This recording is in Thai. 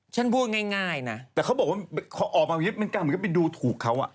แต่เค้าบอกว่าออแบบนึงก็ไปดูถูกเค้า